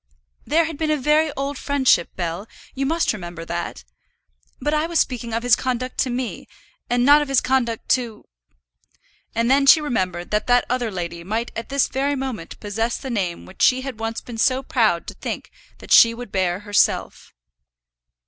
"There had been a very old friendship, Bell; you must remember that. But I was speaking of his conduct to me, and not of his conduct to " And then she remembered that that other lady might at this very moment possess the name which she had once been so proud to think that she would bear herself.